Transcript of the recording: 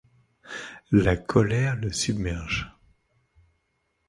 La colère le submerge.